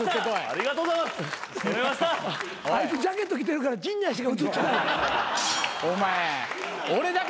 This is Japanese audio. あいつジャケット着てるから陣内しか映ってない。